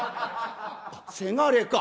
せがれか。